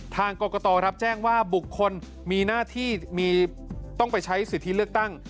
ทางกรกตรับแจ้งว่าบุคคลมีหน้าที่ต้องไปใช้สิทธิเลือกตั้ง